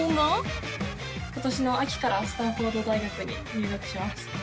今年の秋からスタンフォード大学に入学します。